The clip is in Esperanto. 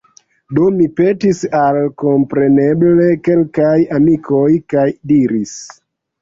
Do mi petis al, kompreneble, kelkaj amikoj, kaj diris: